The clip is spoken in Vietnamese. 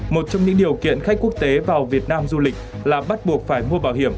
một trong những điều kiện khách quốc tế vào việt nam du lịch là bắt buộc phải mua bảo hiểm